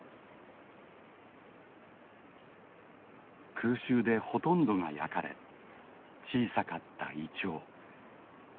空襲でほとんどが焼かれ小さかったイチョウ。